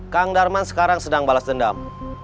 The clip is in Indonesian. kang darman sekarang sedang balas dendam